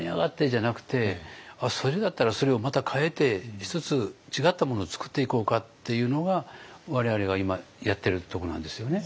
じゃなくてあっそれだったらそれをまた変えて１つ違ったものを作っていこうかっていうのが我々が今やってるとこなんですよね。